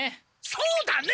「そうだね」